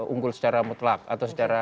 unggul secara mutlak atau secara